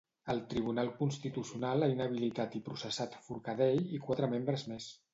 El Tribunal Constitucional ha inhabilitat i processat Forcadell i quatre membres més.